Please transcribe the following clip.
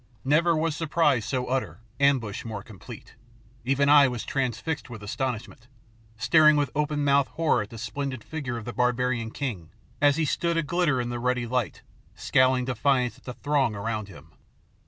Never was surprise so utter, ambush more complete. Even I was transfixed with astonishment, staring with open mouthed horror at the splendid figure of the barbarian king as he stood aglitter in the ruddy light, scowling defiance at the throng around him.